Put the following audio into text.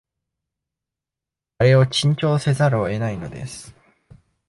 あれを珍重せざるを得ないのです